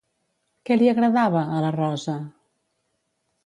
Què li agradava, a la Rosa?